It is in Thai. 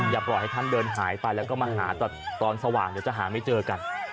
อย่าปล่อยให้ท่านเดินหายไปแล้วก็มาหาตอนสว่างเดี๋ยวจะหาไม่เจอกัน